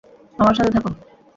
আমার সাথে থাকো।